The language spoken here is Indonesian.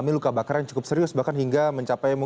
di lokasi kedua kendaraan